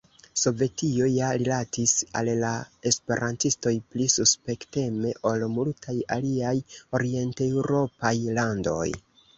Sovetio ja rilatis al la esperantistoj pli suspekteme ol multaj aliaj orienteŭropaj landoj.